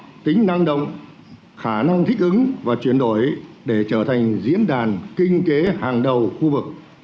apec đã chứng tỏ tính năng động khả năng thích ứng và chuyển đổi để trở thành diễn đàn kế hàng đầu khu vực